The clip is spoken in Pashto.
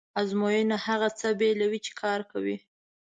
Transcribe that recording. ازموینه هغه څه بېلوي چې کار کوي.